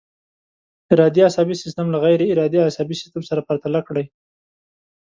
ارادي عصبي سیستم له غیر ارادي عصبي سیستم سره پرتله کړئ.